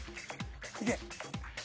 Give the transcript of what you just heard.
いけ！